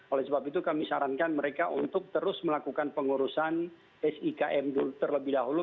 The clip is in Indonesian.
oleh sebab itu kami sarankan mereka untuk terus melakukan pengurusan sikm dulu terlebih dahulu